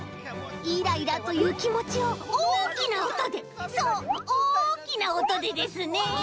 イライラというきもちをおおきなおとでそうおおきなおとでですねえ。